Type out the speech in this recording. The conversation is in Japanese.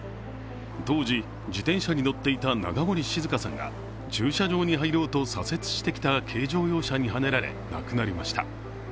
当時、自転車に乗っていた永森志寿香さんが駐車場に入ろうと左折してきた軽乗用車にはねられ、亡くなりました。